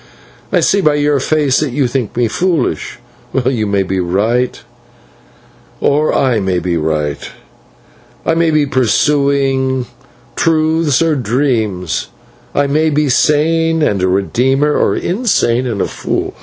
I see by your face that you think me foolish. You may be right or I may be right. I may be pursuing truths or dreams, I may be sane and a redeemer, or insane and a fool.